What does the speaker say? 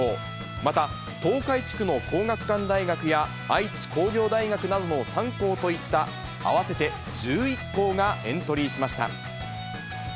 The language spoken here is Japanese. また東海地区も、皇學館大学や、愛知工業大学などの３校といった、合わせて１１校がエントリーしました。